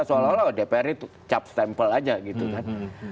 seolah olah dpr itu cap stempel aja gitu kan